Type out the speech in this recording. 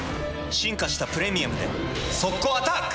進化した「プレミアム」で速攻アタック！